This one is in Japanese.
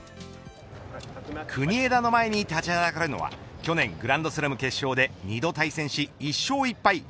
国枝の前に立ちはだかるのは去年、グランドスラム決勝で２度対戦し１勝１敗